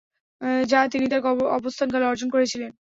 যা তিনি তার অবস্থানকালে অর্জন করেছিলেন।